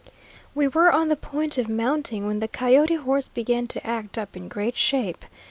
We were on the point of mounting, when the coyote horse began to act up in great shape.